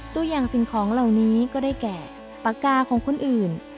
ตัวอย่างสิ่งของเหล่านี้ก็ได้แก่ปากกาของคนอื่น